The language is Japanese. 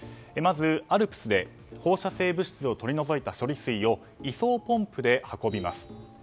まず、ＡＬＰＳで放射性物質を取り除いた処理水を移送ポンプで運びます。